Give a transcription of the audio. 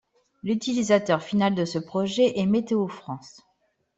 L'utilisateur final de ce projet est Météo France.